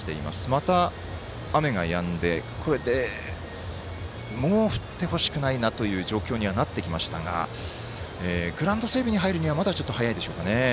また、雨がやんでもう降ってほしくないなという状況にはなってきましたがグラウンド整備に入るにはまだちょっと早いでしょうかね。